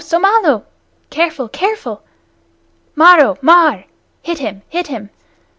Somalo! (Careful, careful!) Maro! Mar! (Hit him, hit him!)